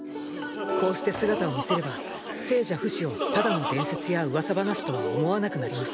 こうして姿を見せれば聖者フシをただの伝説やウワサ話とは思わなくなります。